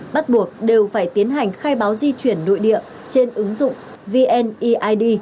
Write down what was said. bắt buộc đều phải tiến hành khai báo di chuyển nội địa trên ứng dụng vneid